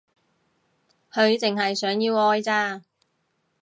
佢淨係想要愛咋